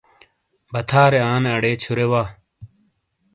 بَتھارے آنے اَڑے چھُورے وا۔